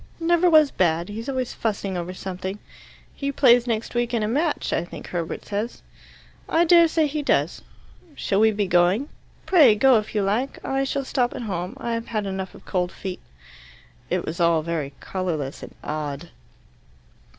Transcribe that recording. "Never was bad. He's always fussing over something." "He plays next week in a match, I think Herbert says." "I dare say he does." "Shall we be going?" "Pray go if you like. I shall stop at home. I've had enough of cold feet." It was all very colourless and odd.